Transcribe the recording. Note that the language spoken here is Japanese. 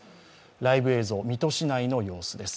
ライブ映像、水戸市内の様子です。